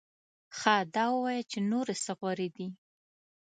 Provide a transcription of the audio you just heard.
ښه دا ووایه چې نورې څه غورې دې؟